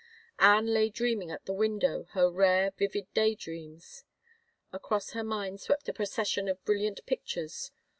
Anne lay dreaming at the window her rare, vivid day dreams. Across her mind swept a procession of brilliant pictures.